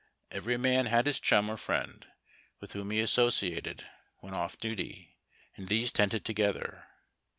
Every man had his chum or friend, with whom he associated when off duty, and these tented tcjgether.